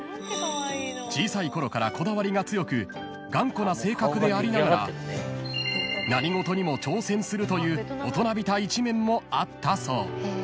［小さいころからこだわりが強く頑固な性格でありながら何事にも挑戦するという大人びた一面もあったそう］